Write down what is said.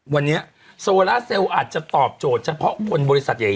วันนี้โซล่าเซลล์อาจจะตอบโจทย์เฉพาะคนบริษัทใหญ่